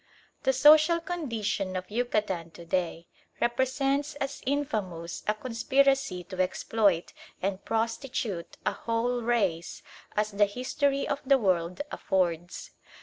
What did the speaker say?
The social condition of Yucatan to day represents as infamous a conspiracy to exploit and prostitute a whole race as the history of the world affords.